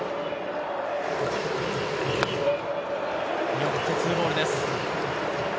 見送って２ボールです。